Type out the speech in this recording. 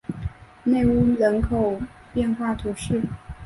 内乌人口变化图示